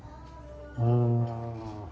うん。